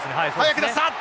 早く出した！